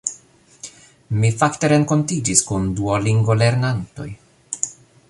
Mi fakte renkontiĝis kun Duolingo-lernantoj